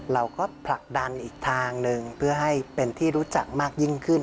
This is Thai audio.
เราก็ผลักดันอีกทางหนึ่งเพื่อให้เป็นที่รู้จักมากยิ่งขึ้น